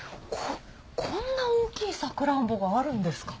こんな大きいサクランボがあるんですか？